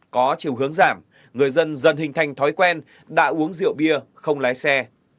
có chiều hướng giảm người dân dần hình thành thói quen đã uống rượu bia không lái xe